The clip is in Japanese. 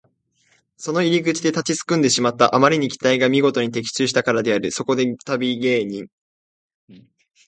その入り口で立ちすくんでしまった。あまりに期待がみごとに的中したからである。そこで旅芸人